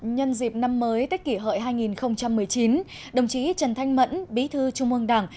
nhân dịp năm mới tết kỷ hợi hai nghìn một mươi chín đồng chí trần thanh mẫn bí thư trung ương đảng